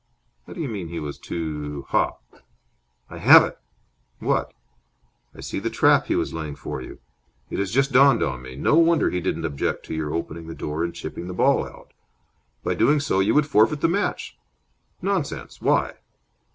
"How do you mean he was too ha?" "I have it!" "What?" "I see the trap he was laying for you. It has just dawned on me. No wonder he didn't object to your opening the door and chipping the ball out. By doing so you would forfeit the match." "Nonsense! Why?"